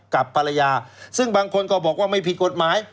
กับภรรยาซึ่งบางคนก็บอกว่าไม่ผิดกฎหมาย